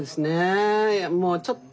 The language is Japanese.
もうちょっと。